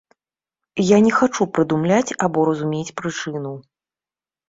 Я не хачу прыдумляць або разумець прычыну.